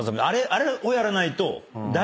あれをやらないと。